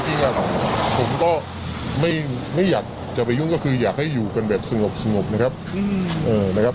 จริงผมก็ไม่อยากจะไปยุ่งก็คืออยากให้อยู่กันแบบสงบนะครับ